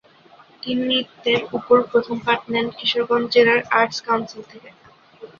তিনি নৃত্যের উপর প্রথম পাঠ নেন কিশোরগঞ্জ জেলার আর্টস কাউন্সিল থেকে।